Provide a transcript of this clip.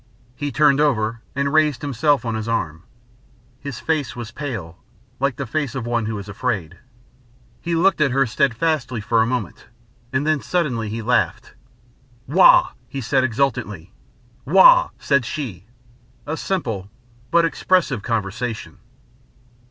He turned over and raised himself on his arm. His face was pale, like the face of one who is afraid. He looked at her steadfastly for a moment, and then suddenly he laughed. "Waugh!" he said exultantly. "Waugh!" said she a simple but expressive conversation.